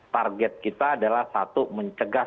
target kita adalah satu mencegah